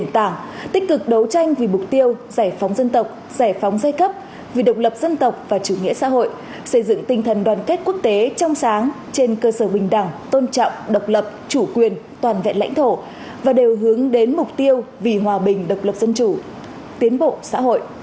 tích cực đấu tranh vì mục tiêu giải phóng dân tộc giải phóng giai cấp vì độc lập dân tộc và chủ nghĩa xã hội xây dựng tinh thần đoàn kết quốc tế trong sáng trên cơ sở bình đẳng tôn trọng độc lập chủ quyền toàn vẹn lãnh thổ và đều hướng đến mục tiêu vì hòa bình độc lập dân chủ tiến bộ xã hội